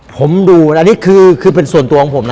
ผมดูอันนี้คือเป็นส่วนตัวของผมนะ